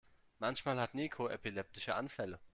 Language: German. Manchmal hat Niko epileptische Anfälle.